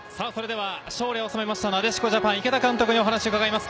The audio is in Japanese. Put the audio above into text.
勝利を収めました、なでしこジャパン池田監督にお話を伺います。